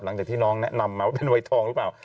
หลังจากที่น้องแนะนำมาว่าเป็นวัยทองหรือเปล่า